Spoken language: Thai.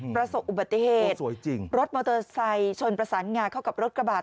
ประสบอุบัติเหตุรถมอเตอร์ไซค์ชนประสานงาเข้ากับรถกระบาด